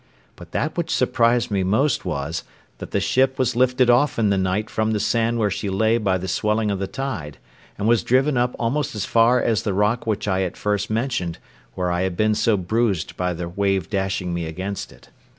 But that which surprised me most was, that the ship was lifted off in the night from the sand where she lay by the swelling of the tide, and was driven up almost as far as the rock which I at first mentioned, where I had been so bruised by the wave dashing me against it.